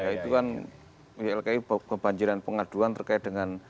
itu kan ilki kebanjiran pengaduan terkait dengan